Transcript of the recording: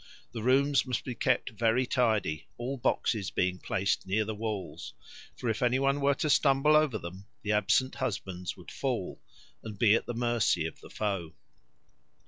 The rooms must be kept very tidy, all boxes being placed near the walls; for if any one were to stumble over them, the absent husbands would fall and be at the mercy of the foe.